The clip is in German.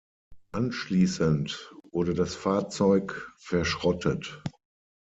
Anschließend wurde das Fahrzeug verschrottet.